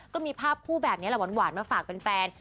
ก็มีภาพคู่แบบนี้แหละหวานมาฝากเป็นแฟน